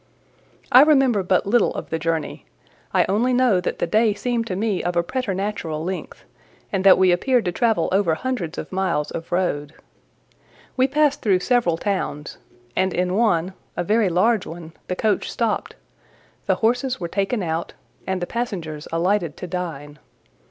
I remember but little of the journey; I only know that the day seemed to me of a preternatural length, and that we appeared to travel over hundreds of miles of road. We passed through several towns, and in one, a very large one, the coach stopped; the horses were taken out, and the passengers alighted to dine.